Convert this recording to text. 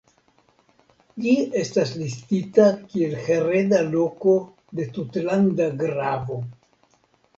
Ĝi estas listita kiel hereda loko de tutlanda gravo.